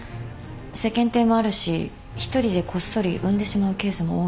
世間体もあるし一人でこっそり産んでしまうケースも多いって。